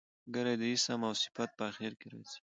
ګری د اسم او صفت په آخر کښي راځي.